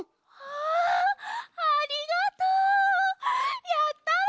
あありがとう！やったわ！